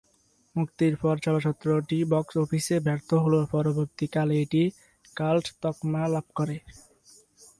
মুক্তির পর চলচ্চিত্রটি বক্স অফিসে ব্যর্থ হলেও পরবর্তী কালে এটি কাল্ট তকমা লাভ করে।